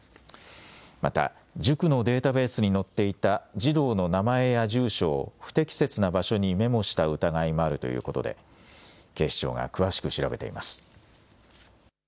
また、塾のデータベースに載っていた児童の名前や住所を不適切な場所にメモした疑いもあるということで、警視庁が詳しく調べています。